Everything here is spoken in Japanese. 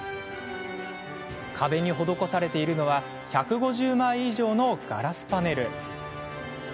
壁に施されているのは１５０枚以上のガラスパネル。